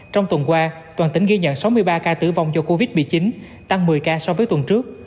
trong tuần qua toàn tỉnh ghi nhận sáu mươi ba ca tử vong do covid một mươi chín tăng một mươi ca so với tuần trước